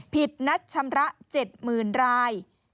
ผิดนัดชำระ๗๐๐๐ราย